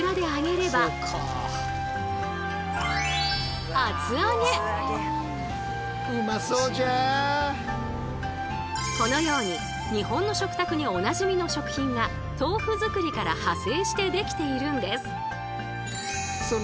例えばこのように日本の食卓におなじみの食品が豆腐作りから派生してできているんです。